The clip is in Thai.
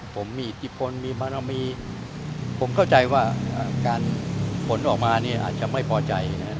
ผมมีอิทธิพลมีบารมีผมเข้าใจว่าการผลออกมาเนี่ยอาจจะไม่พอใจนะครับ